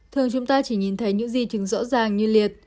thường chúng ta chỉ nhìn thấy những di chứng rõ ràng như liệt